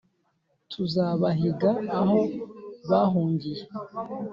Tuzabahiga aho bahungiye